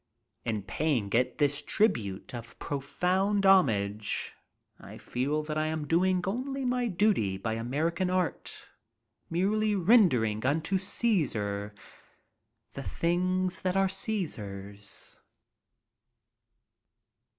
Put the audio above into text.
In paying it this tribute of profound homage, I feel that I am doing only my duty by American art, merely rendering unto Caesar the things that are Caesar's.